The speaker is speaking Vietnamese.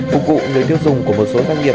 phục vụ người tiêu dùng của một số doanh nghiệp